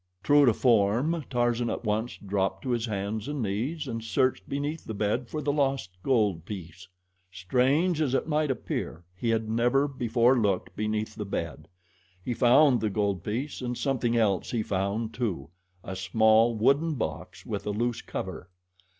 True to form, Tarzan at once dropped to his hands and knees and searched beneath the bed for the lost gold piece. Strange as it might appear, he had never before looked beneath the bed. He found the gold piece, and something else he found, too a small wooden box with a loose cover.